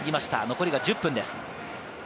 残り１０分です。